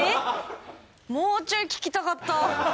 もうちょい聞きたかった。